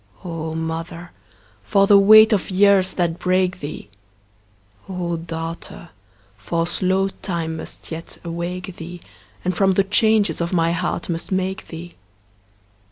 O mother, for the weight of years that break thee! O daughter, for slow time must yet awake thee, And from the changes of my heart must make thee!